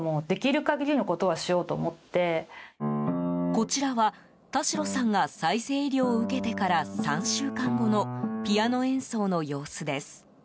こちらは田代さんが再生医療を受けてから３週間後のピアノ演奏の様子です。